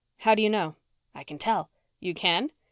"How do you know?" "I can tell." "You can?"